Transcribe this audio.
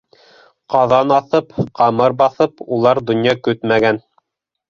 Ҡаҙан аҫып, ҡамыр баҫып, улар донъя көтмәгән.